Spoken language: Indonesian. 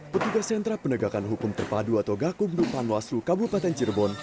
petugas sentra penegakan hukum terpadu atau gakumdu pan waslu kabupaten cerbon